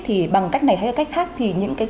thì bằng cách này hay là cách khác thì những cái